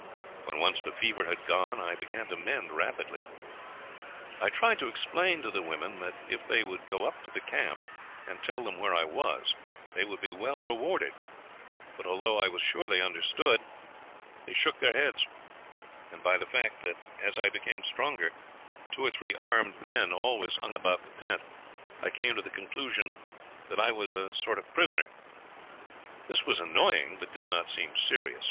When once the fever had gone, I began to mend rapidly. I tried to explain to the women that if they would go up to the camp and tell them where I was they would be well rewarded; but although I was sure they understood, they shook their heads, and by the fact that as I became stronger two or three armed men always hung about the tent, I came to the conclusion that I was a sort of prisoner. This was annoying, but did not seem serious.